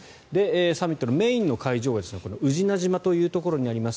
サミットのメインの会場は宇品島というところにあります